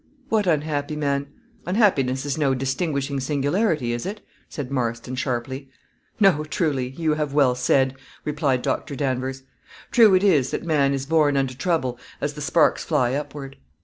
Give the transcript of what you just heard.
"What unhappy man? Unhappiness is no distinguishing singularity, is it?" said Marston, sharply. "No, truly, you have well said," replied Doctor Danvers. "True it is that man is born unto trouble as the sparks fly upward.